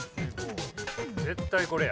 絶対これや。